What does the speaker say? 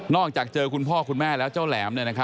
จากเจอคุณพ่อคุณแม่แล้วเจ้าแหลม